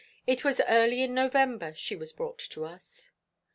It was early in November she was brought to us."